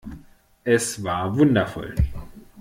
Es war wundervoll.